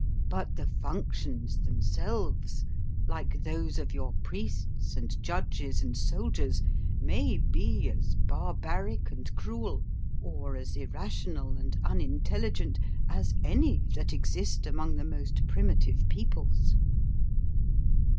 But the functions themselves, like those of your priests and judges and soldiers, may be as barbaric and cruel, or as irrational and unintelligent, as any that exist among the most primitive peoples.